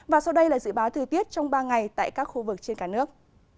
và sau đây là dự báo thời tiết trong ba ngày tại các khu vực trên cả nước